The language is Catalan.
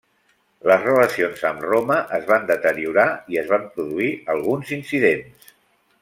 Les relacions amb Roma es van deteriorar i es van produir alguns incidents.